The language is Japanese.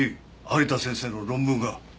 有田先生の論文が。